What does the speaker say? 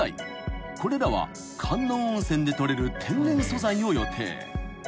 ［これらは観音温泉で取れる天然素材を予定］